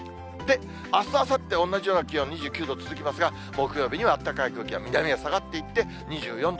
あす、あさって、同じような気温、２９度続きますが、木曜日にはあったかい空気は南へ下がっていって、２４度。